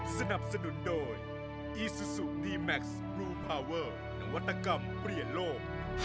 สนับสนุนโดยอีซูซูดีแม็กซ์บลูพาเวอร์นวัตกรรมเปลี่ยนโลก